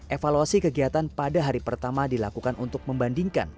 evaluasi kegiatan pada hari pertama dilakukan untuk membandingkan